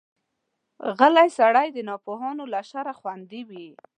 غلی سړی، د ناپوهانو له شره خوندي وي.